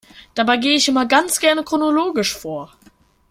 Dabei gehe ich immer ganz gerne chronologisch vor.